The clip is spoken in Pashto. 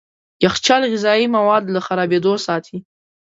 يخچال غذايي مواد له خرابېدو ساتي.